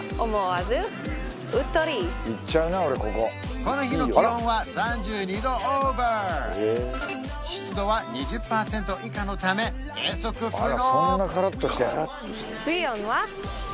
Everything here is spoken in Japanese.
この日の気温は３２度オーバー湿度は２０パーセント以下のため計測不能